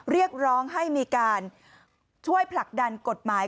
เรียกร้องให้มีการช่วยผลักดันกฎหมาย